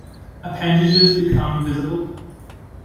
Appendages become visible.